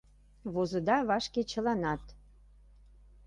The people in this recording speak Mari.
Возыда вашке чыланат.